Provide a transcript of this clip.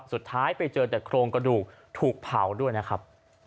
ไปเจอแต่โครงกระดูกถูกเผาด้วยนะครับ